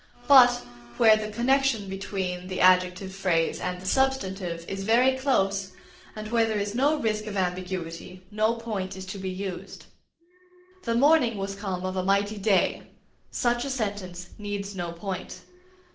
But, where the connexion between the adjective phrase and the substantive is very close, and where there is no risk of ambiguity, no point is to be used. "The morning was come of a mighty day" such a sentence needs no point.